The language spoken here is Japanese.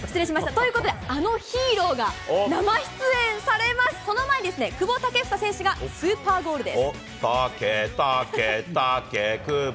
ということで、あのヒーローが生出演されます、その前に久保建英選手がスーパータケ、タケ、タケ、久保。